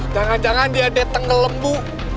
jangan jangan dia dateng ngelembu